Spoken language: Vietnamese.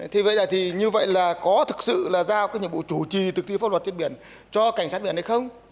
thì vậy là như vậy là có thực sự là giao cái nhiệm vụ chủ trì thực hiện pháp luật trên biển cho cảnh sát biển hay không